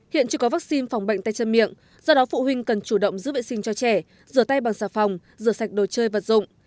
hiện chưa có vaccine phòng bệnh tay chân miệng do đó phụ huynh cần chủ động giữ vệ sinh cho trẻ rửa tay bằng xà phòng rửa sạch đồ chơi vật dụng